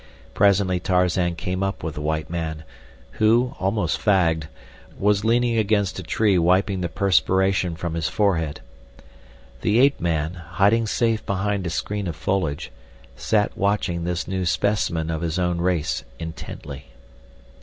Presently Tarzan came up with the white man, who, almost fagged, was leaning against a tree wiping the perspiration from his forehead. The ape man, hiding safe behind a screen of foliage, sat watching this new specimen of his own race intently.